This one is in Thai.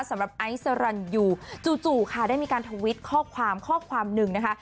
ไอซ์สรรยูจู่ค่ะได้มีการทวิตข้อความข้อความหนึ่งนะคะ